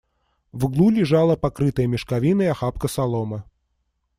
В углу лежала покрытая мешковиной охапка соломы.